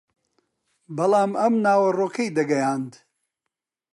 بەڵام ئەم ناوەڕۆکەی دەگەیاند